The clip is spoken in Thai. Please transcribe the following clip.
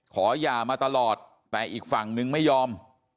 หย่ามาตลอดแต่อีกฝั่งนึงไม่ยอม